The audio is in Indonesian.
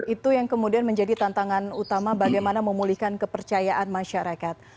itu yang kemudian menjadi tantangan utama bagaimana memulihkan kepercayaan masyarakat